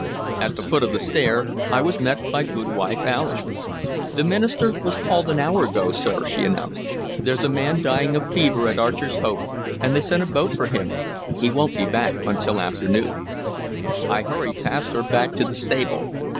At the foot of the stair I was met by Goodwife Allen. "The minister was called an hour ago, sir," she announced. "There's a man dying of the fever at Archer's Hope, and they sent a boat for him. He won't be back until afternoon." I hurried past her back to the stable.